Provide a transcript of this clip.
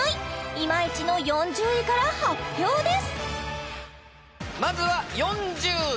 イマイチの４０位から発表です